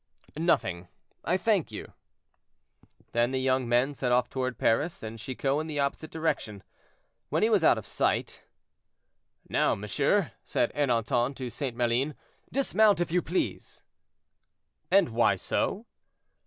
"Nothing, I thank you." Then the young men set off toward Paris, and Chicot in the opposite direction. When he was out of sight— "Now, monsieur," said Ernanton to St. Maline, "dismount, if you please." "And why so?"